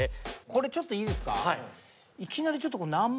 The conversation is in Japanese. これちょっといいですか？